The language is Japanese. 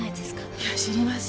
いや知りません。